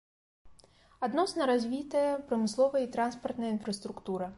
Адносна развітая прамысловая і транспартная інфраструктура.